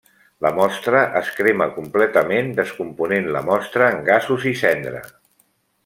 La mostra es crema completament descomponent la mostra en gasos i cendra.